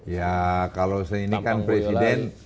ya kalau saya ini kan presiden